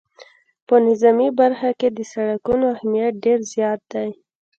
په نظامي برخه کې د سرکونو اهمیت ډېر زیات دی